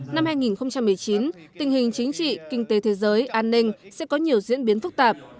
năm hai nghìn một mươi chín tình hình chính trị kinh tế thế giới an ninh sẽ có nhiều diễn biến phức tạp